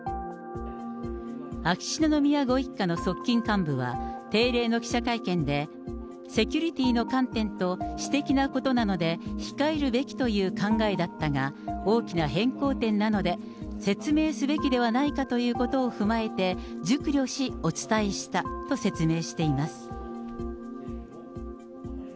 秋篠宮ご一家の側近幹部は、定例の記者会見で、セキュリティーの観点と私的なことなので、控えるべきという考えだったが、大きな変更点なので、説明すべきではないかということを踏まえて熟慮し、お伝えしたと説明しています。